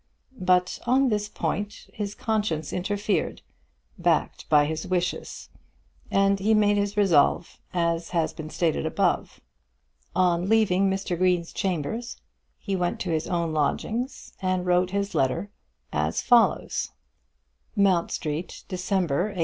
But on this point his conscience interfered, backed by his wishes, and he made his resolve as has been above stated. On leaving Mr. Green's chambers he went to his own lodgings, and wrote his letter, as follows: Mount Street, December, 186